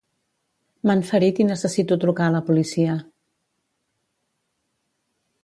M'han ferit i necessito trucar a la policia.